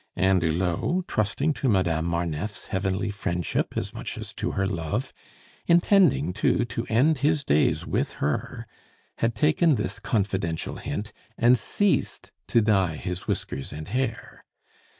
And Hulot, trusting to Madame Marneffe's heavenly friendship as much as to her love, intending, too, to end his days with her, had taken this confidential hint, and ceased to dye his whiskers and hair.